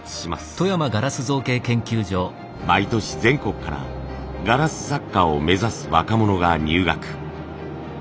毎年全国からガラス作家を目指す若者が入学。